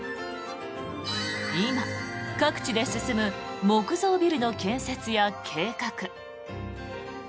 今、各地で進む木造ビルの建設や計画。